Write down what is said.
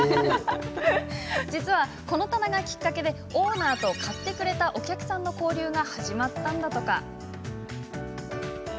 実は、この棚がきっかけでオーナーと買ってくれたお客さんの交流が始まったんだとか。